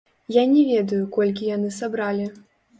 Я не ведаю, колькі яны сабралі.